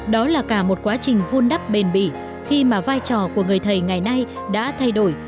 đó là cả một quá trình vun đắp bền bỉ khi mà vai trò của người thầy ngày nay đã thay đổi